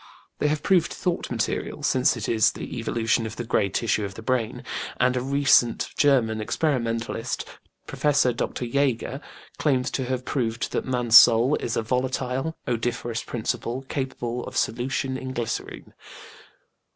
They have proved thought material, since it is the evolution of the gray tissue of the brain, and a recent German experimentalist, Professor Dr. JÃĪger, claims to have proved that man's soul is "a volatile odoriferous principle, capable of solution in glycerine".